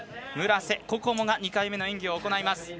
村瀬心椛が２回目の演技を行います。